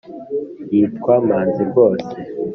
yitwa manzi rwose